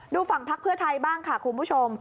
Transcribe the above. ดูฝั่งพักเพื่อไทยบ้างค่ะคุณผู้ชม